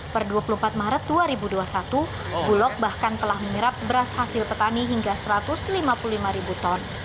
per dua puluh empat maret dua ribu dua puluh satu bulog bahkan telah menyerap beras hasil petani hingga satu ratus lima puluh lima ribu ton